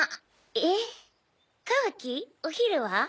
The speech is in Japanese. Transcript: えぇカワキお昼は？